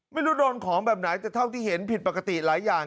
ไม่รู้โดนของแบบไหนแต่เท่าที่เห็นผิดปกติหลายอย่าง